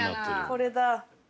これだ。